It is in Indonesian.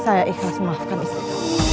saya ikhlas memaafkan istri kamu